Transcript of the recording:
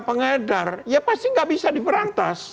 pengedar ya pasti nggak bisa diberantas